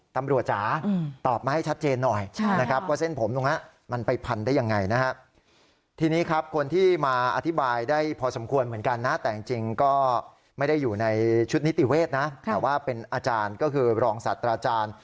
จ๋าตอบมาให้ชัดเจนหน่อยนะครับว่าเส้นผมตรงนั้นมันไปพันได้ยังไงนะฮะทีนี้ครับคนที่มาอธิบายได้พอสมควรเหมือนกันนะแต่จริงก็ไม่ได้อยู่ในชุดนิติเวศนะแต่ว่าเป็นอาจารย์ก็คือรองศาสตราจารย์